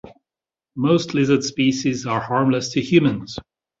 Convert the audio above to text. Most lizard species are harmless to humans.